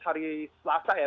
hari selasa ya